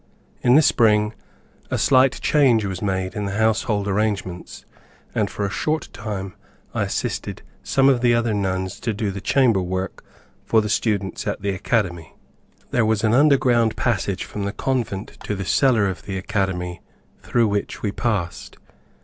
In the spring a slight change was made in the household arrangements, and for a short time I assisted some of the other nuns to do the chamber work for the students at the academy. There was an under ground passage from the convent to the cellar of the academy through which we passed.